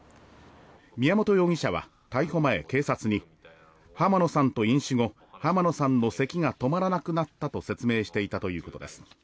宮本容疑者は逮捕前警察に浜野さんと飲酒後浜野さんの咳が止まらなくなったと説明していたということです。